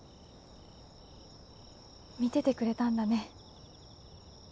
見ててくれたんだね。